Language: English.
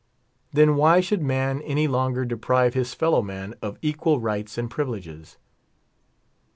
Then why should man any i<!)iiger deprive his fellow man of equal rights and privileges